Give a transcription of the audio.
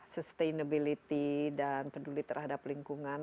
sustainability dan peduli terhadap lingkungan